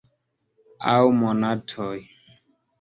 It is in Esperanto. Aŭ monatoj.